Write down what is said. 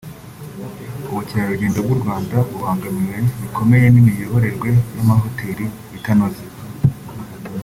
“Ubukerarugendo bw’u Rwanda bubangamiwe bikomeye n’imiyoborerwe y’amahotel itanoze